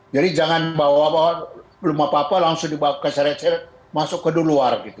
jadi jangan bahwa belum apa apa langsung dibawa ke syarat syarat masuk ke duluan gitu